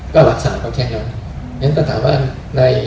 ก็หลักศัพท์เห็นก็แค่นี้